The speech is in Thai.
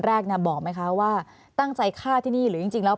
แรกบอกไหมคะว่าตั้งใจฆ่าที่นี่หรือจริงแล้ว